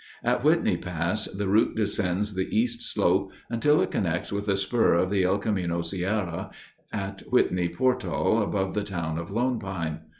At Whitney Pass the route descends the east slope until it connects with a spur of the El Camino Sierra at Whitney Portal above the town of Lone Pine.